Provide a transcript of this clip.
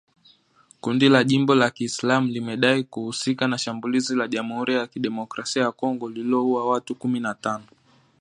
Kundi la Jimbo la Kiislamu limedai kuhusika na shambulizi la Jamhuri ya Kidemokrasia ya Kongo lililouwa watu kumi na tano